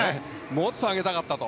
もっと上げたかったと。